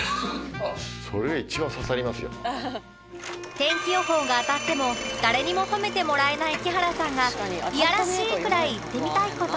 天気予報が当たっても誰にも褒めてもらえない木原さんがいやらしいくらい言ってみたい事